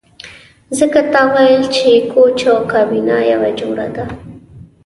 ځکه تا ویل چې کوچ او کابینه یوه جوړه ده